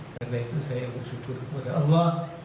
karena itu saya bersyukur kepada allah